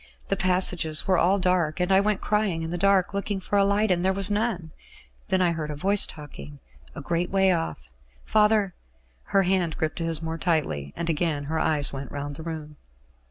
The passages were all dark, and I went crying in the dark, looking for a light, and there was none. Then I heard a voice talking, a great way off. Father " Her hand gripped his more tightly, and again her eyes went round the room.